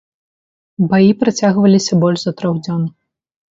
Баі працягваліся больш за трох дзён.